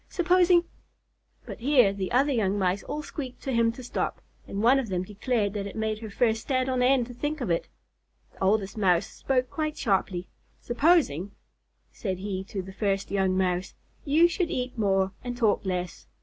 Supposing " But here the other young Mice all squeaked to him to stop, and one of them declared that it made her fur stand on end to think of it. The Oldest Mouse spoke quite sharply. "Supposing," said he to the first young Mouse, "you should eat more and talk less.